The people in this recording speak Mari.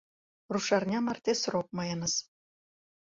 Рушарня марте срок мыйыныс...